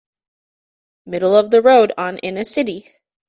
Middle of the road on in a city